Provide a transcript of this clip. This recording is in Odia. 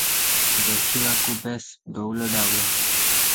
ଦେଖିବାକୁ ବେଶ ଡଉଲ ଡାଉଲ ।